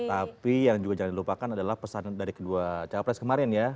tapi yang juga jangan dilupakan adalah pesan dari kedua capres kemarin ya